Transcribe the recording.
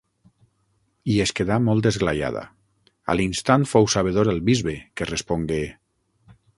I es quedà molt esglaiada. A l’instant fou sabedor el bisbe, que respongué: